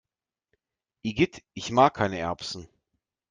Igitt, ich mag keine Erbsen!